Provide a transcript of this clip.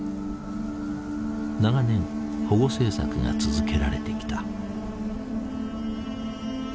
長年保護政策が続けられてきた。